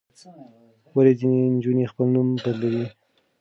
ولې ځینې نجونې خپل نوم بدلوي؟